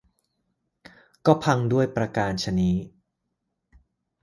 ก็พังด้วยประการฉะนี้